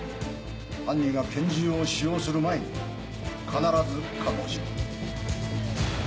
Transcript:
犯人が拳銃を使用する前に必ず確保しろ。